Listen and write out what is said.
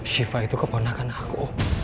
syifa itu keponakan aku